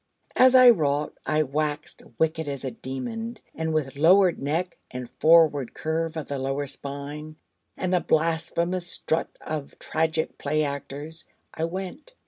As I wrought, I waxed wicked as a demon! And with lowered neck, and forward curve of the lower spine, and the blasphemous strut of tragic play actors, I went.